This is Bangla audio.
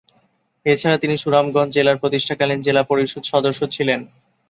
এছাড়া তিনি সুনামগঞ্জ জেলার প্রতিষ্ঠাকালীন জেলা পরিষদ সদস্য ছিলেন।